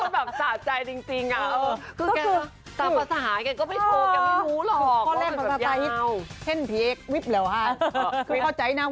ด่าเหมือนกูไปขี้ใส่บ้าน